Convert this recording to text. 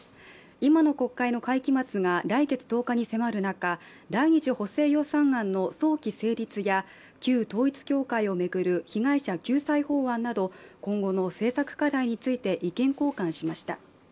今の国会の会期末が来月１０日に迫る中第２次補正予算案の早期成立や、旧統一教会を巡る被害者救済法案など今後の政策課題について意見交換しました。